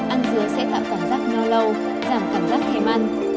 ăn dứa sẽ tạo cảm giác no lâu giảm cảm giác thêm ăn